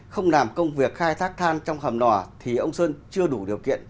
không làm công việc khai thác than trong hầm lò thì ông sơn chưa đủ điều kiện